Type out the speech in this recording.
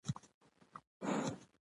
ميرويس ځنډيخيل ډه